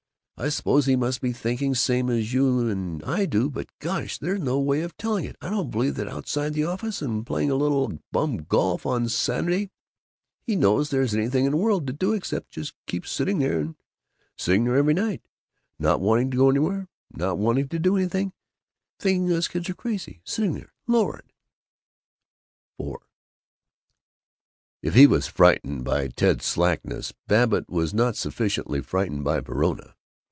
I suppose he must do some thinking, same as you and I do, but gosh, there's no way of telling it. I don't believe that outside of the office and playing a little bum golf on Saturday he knows there's anything in the world to do except just keep sitting there sitting there every night not wanting to go anywhere not wanting to do anything thinking us kids are crazy sitting there Lord!" IV If he was frightened by Ted's slackness, Babbitt was not sufficiently frightened by Verona.